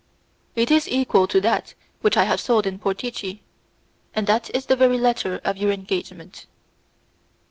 "It is equal to that which I have sold in Portici, and that is the very letter of your engagement."